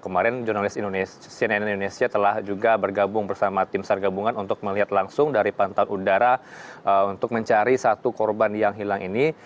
kemarin jurnalis cnn indonesia telah juga bergabung bersama tim sargabungan untuk melihat langsung dari pantauan udara untuk mencari satu korban yang hilang ini